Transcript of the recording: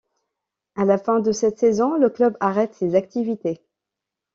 À la fin de cette saison, le club arrête ses activités.